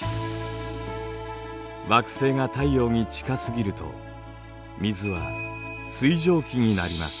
惑星が太陽に近すぎると水は水蒸気になります。